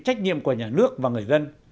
trách nhiệm của nhà nước và người dân